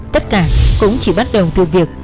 tất cả cũng chỉ bắt đầu từ việc